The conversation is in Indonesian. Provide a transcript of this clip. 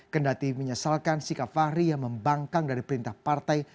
kendati menyesalkan sikap fahri yang membangkang dari perintah partai